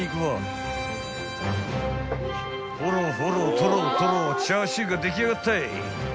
［ホロホロとろとろチャーシューが出来上がったい］